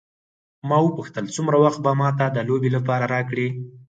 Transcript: ما وپوښتل څومره وخت به ما ته د لوبې لپاره راکړې.